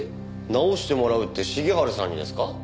直してもらうって重治さんにですか？